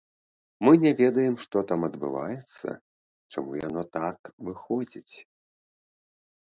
Мы не ведаем, што там адбываецца, чаму яно так выходзіць.